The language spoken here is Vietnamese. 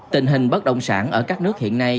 tình hình bất động sản ở các nước hiện nay